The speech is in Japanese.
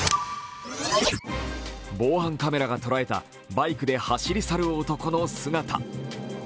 防犯カメラが捉えたバイクで走り去る男の姿。